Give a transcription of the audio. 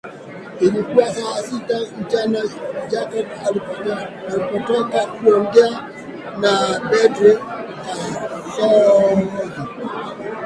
Ilikuwa saa sita mchana Jacob alipotoka kuongea na Debby Kashozi